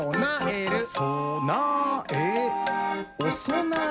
「そなえおそなえ！」